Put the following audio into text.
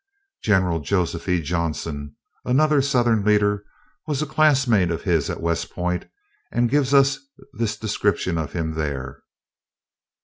General Joseph E. Johnson, another Southern leader, was a classmate of his at West Point and gives us this description of him there.